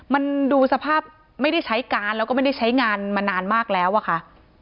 มันดูสภาพไม่ได้ใช้การแล้วก็ไม่ได้ใช้งานมานานมากแล้วอะค่ะ